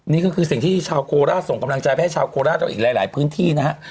นี่ก็คือสิ่งที่ชาวโคราชส่งกำลังใจไปให้ชาวโคราชเราอีกหลายพื้นที่นะฮะ